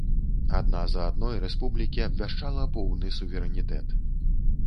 Адна за адной рэспублікі абвяшчала поўны суверэнітэт.